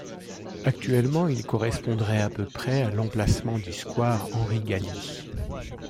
Actuellement, il correspondrait à peu près à l'emplacement du square Henri-Galli.